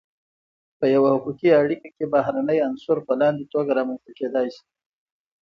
په یوه حقوقی اړیکی کی بهرنی عنصر په لاندی توګه رامنځته کیدای سی :